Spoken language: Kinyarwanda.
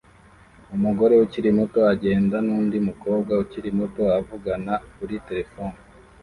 Umugore ukiri muto agenda n'undi mukobwa ukiri muto uvugana kuri terefone